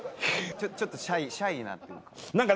ちょっとシャイなというか？